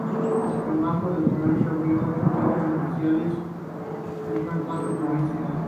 El banco de comercio abrió ocho agencias especiales en Lima y cuatro en provincias.